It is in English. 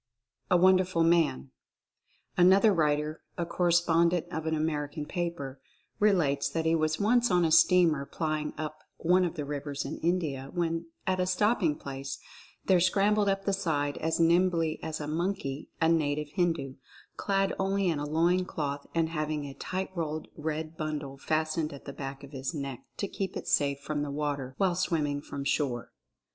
A WONDERFUL MAN. Another writer, a correspondent of an American paper, relates that he was once on a steamer plying up one of the rivers in India, when, at a stopping place, there scrambled up the side as nimbly as a monkey a native Hindu, clad only in a loin cloth and having a tight rolled red bundle fastened at the back of his neck to keep it safe from the water while swimming from shore.